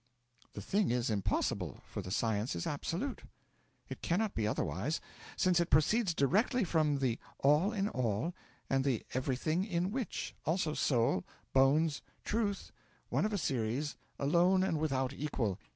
The thing is impossible, for the Science is absolute. It cannot be otherwise, since it proceeds directly from the All in all and the Everything in Which, also Soul, Bones, Truth, one of a series, alone and without equal.